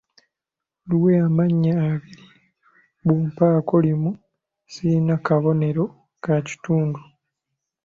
Luwe amannya abiri bw'ompaako limu sirina kabonero ka kitundu.